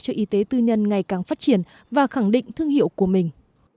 cho y tế tư nhân ngày càng phát triển và khẳng định thương hiệu của mình